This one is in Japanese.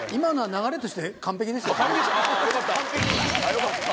よかった。